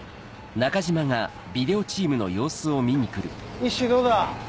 イッシーどうだ？